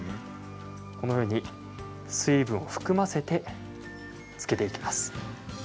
このように水分を含ませて付けていきます。